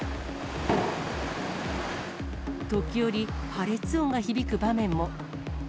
時折、破裂音が響く場面も。